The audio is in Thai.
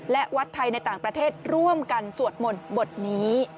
และวัดไทยในต่างประเทศร่วมกันสวดมนต์บทนี้